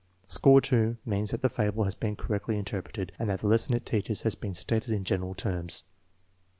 Score 2 means that the fable has been correctly inter preted and that the lesson it teaches has been stated in general terms.